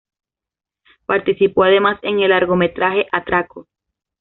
Participó además en el largometraje "¡Atraco!